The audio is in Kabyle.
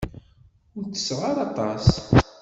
Ur tesseɣ ara aṭas.